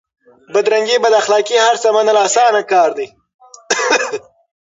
بدرنګي بداخلاق هرڅه منل اسان کار دی؛